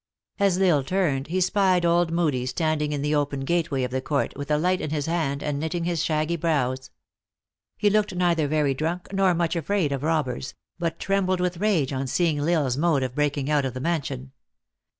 As L Isle turned, he spied old Moodie standing in the open gateway of the court, with a light in his hand, and knitting his shaggy brows. He looked neither very drunk, nor much afraid of robbers, but trembled with rage on seeing L Isle s mode of break ing out of the mansion.